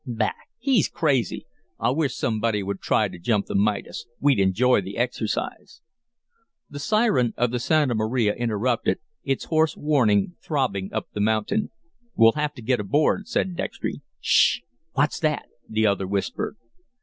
"Bah! He's crazy! I wish somebody would try to jump the Midas; we'd enjoy the exercise." The siren of the Santa Maria interrupted, its hoarse warning throbbing up the mountain. "We'll have to get aboard," said Dextry. "Sh h! What's that?" the other whispered.